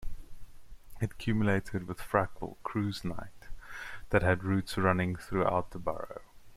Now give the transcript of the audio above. It culminated with a Frackville Cruise Night that had routes running throughout the borough.